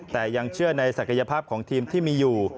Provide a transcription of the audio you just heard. แต่ยังเชื่อในศักยภาพของทีมที่มีอยู่